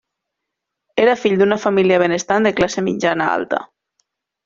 Era fill d'una família benestant de classe mitjana-alta.